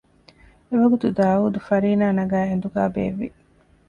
އެވަގުތު ދާއޫދު ފަރީނާ ނަގައި އެނދުގައި ބޭއްވި